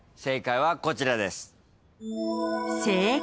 正解はこちらです。